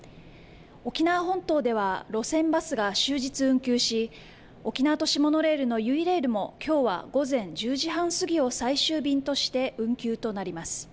沖縄本島では路線バスが終日運休し沖縄都市モノレールのゆいレールもきょうは午前１０時半過ぎを最終便として運休となります。